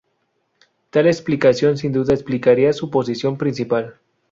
Tal explicación sin duda explicaría su posición principal.